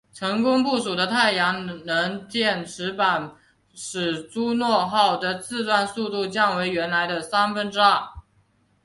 成功布署的太阳能电池板使朱诺号的自转速度降为原来的三分之二。